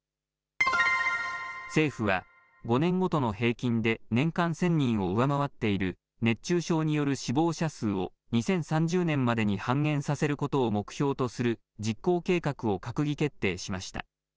政府は、５年ごとの平均で年間１０００人を上回っている熱中症による死亡者数を２０３０年までに半減させることを目標とする実行計画を閣議決定しました。